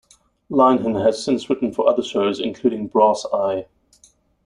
Linehan has since written for other shows, including "Brass Eye".